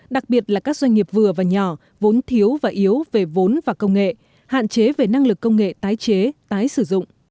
đặc biệt là các doanh nghiệp vừa và nhỏ vốn thiếu và yếu về vốn và công nghệ hạn chế về năng lực công nghệ tái chế tái sử dụng